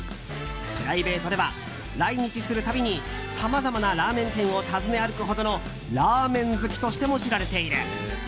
プライベートでは来日する度にさまざまなラーメン店を訪ね歩くほどのラーメン好きとしても知られている。